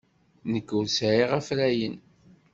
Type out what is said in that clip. Nekk ur sɛiɣ afrayen.